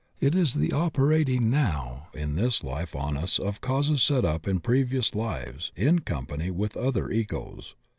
It is the operating now in this life on us of causes set up in previous Uves in company with other Egos.